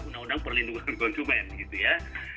undang undang perlindungan konsumen gitu ya